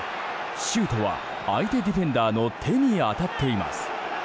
シュートは相手ディフェンダーの手に当たっています。